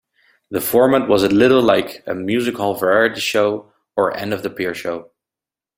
The format was a little like a music-hall variety show or 'end-of-the-pier' show.